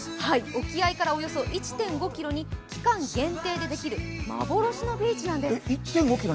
沖合からおよそ１．５ｋｍに期間限定でできる、幻のビーチなんです。